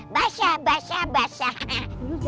basah basah basah